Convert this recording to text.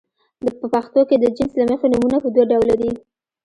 په پښتو کې د جنس له مخې نومونه په دوه ډوله دي.